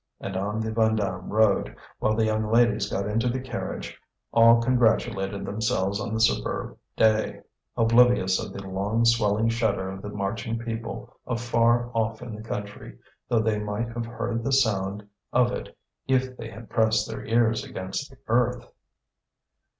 And on the Vandame road, while the young ladies got into the carriage, all congratulated themselves on the superb day, oblivious of the long swelling shudder of the marching people afar off in the country, though they might have heard the sound of it if they had pressed their ears against the earth.